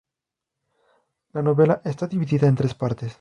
La novela está dividida en tres partes.